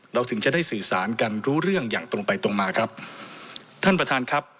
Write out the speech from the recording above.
ถึงจะได้สื่อสารกันรู้เรื่องอย่างตรงไปตรงมาครับท่านประธานครับ